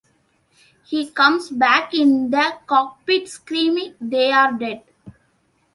He comes back in the cockpit screaming, They're dead!